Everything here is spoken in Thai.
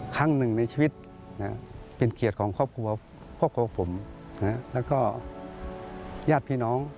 ครั้งหนึ่งในชีวิตเป็นเกียรติของครอบครัวครอบครัวผมแล้วก็ญาติพี่น้อง